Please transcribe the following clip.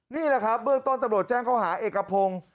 นี่แหละครับเบื้องต้นตำรวจแจ้งเขาหาเอกพงศ์